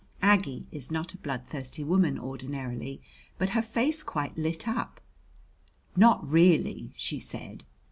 Aggie is not a bloodthirsty woman ordinarily, but her face quite lit up. "Not really!" she said.